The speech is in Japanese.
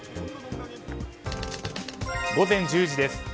午前１０時です。